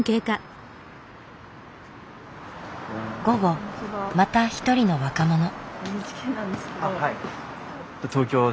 午後また一人の若者。